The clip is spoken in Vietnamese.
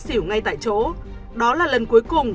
xỉu ngay tại chỗ đó là lần cuối cùng